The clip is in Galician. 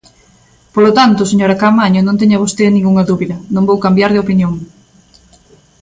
Polo tanto, señora Caamaño, non teña vostede ningunha dúbida, non vou cambiar de opinión.